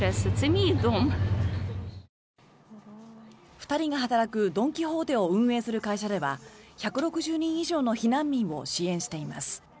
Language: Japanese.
２人が働くドン・キホーテを運営する会社では１６０人以上の避難民を支援しています。